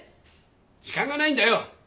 時間がないんだよ。